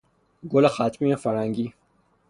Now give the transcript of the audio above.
گل خطمی فرنگی